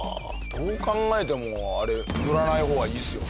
どう考えてもあれ塗らない方がいいですよね。